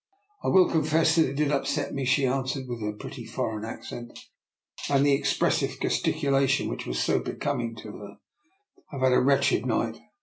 I will confess that it did upset me/' she answered, with her pretty foreign accent and the expressive gesticulation which was so be coming to her. " I have had a wretched night.